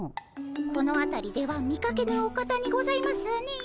このあたりでは見かけぬお方にございますねえ。